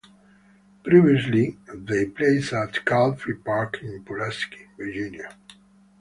Previously, they played at Calfee Park in Pulaski, Virginia.